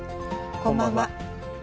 こんばんは。